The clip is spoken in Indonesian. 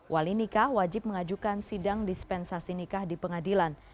wali nikah wajib mengajukan sidang dispensasi nikah di pengadilan